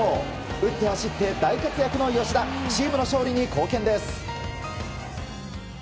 打って、走って、大活躍の吉田チームの勝利に貢献です。